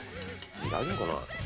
大丈夫かな？